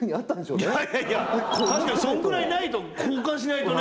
確かにそのくらいないと。